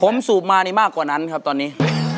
ผมสูบมานี่มากกว่านั้นครับตอนนี้